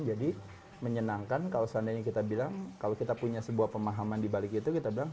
jadi menyenangkan kalau seandainya kita bilang kalau kita punya sebuah pemahaman dibalik itu kita bilang